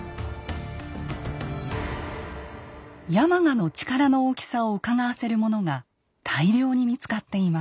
山鹿の力の大きさをうかがわせるものが大量に見つかっています。